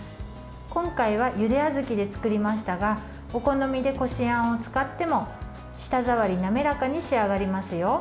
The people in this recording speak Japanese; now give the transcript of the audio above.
今回はゆであずきで作りましたがお好みでこしあんを使っても舌触り滑らかに仕上がりますよ。